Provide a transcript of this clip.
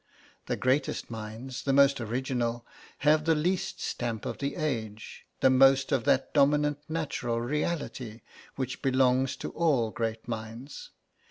The greatest minds, the most original, have the least stamp of the age, the most of that dominant natural reality which belongs to all great minds.